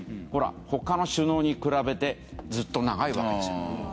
ほら他の首脳に比べてずっと長いわけですよ。